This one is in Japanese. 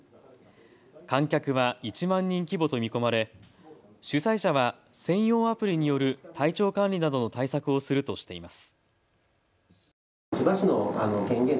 観客は１万人規模と見込まれ主催者は専用アプリによる体調管理などの対策をするとしています。